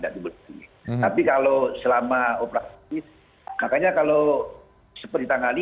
tapi kalau selama operasi makanya kalau seperti tangani